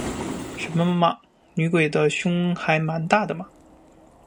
什么嘛，女鬼胸还蛮大的嘛